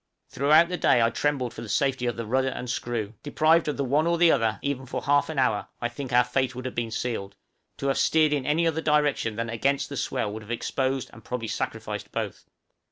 Throughout the day I trembled for the safety of the rudder, and screw; deprived of the one or the other, even for half an hour, I think our fate would have been sealed; to have steered in any other direction than against the swell would have exposed, and probably sacrificed both.